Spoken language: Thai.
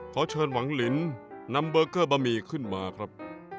ขอเชิญหวังลินนำเบอร์เกอร์บะหมี่ขึ้นมาครับ